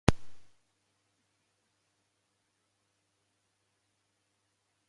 The lowercase letters of Classical Greek were a later invention of the Middle Ages.